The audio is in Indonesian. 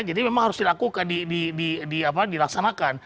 jadi memang harus dilakukan dilaksanakan